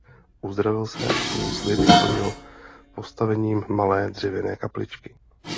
Uzdravil se a svůj slib splnil postavením malé dřevěné kapličky.